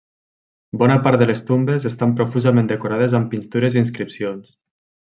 Bona part de les tombes estan profusament decorades amb pintures i inscripcions.